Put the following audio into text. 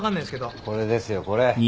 これですよこれ。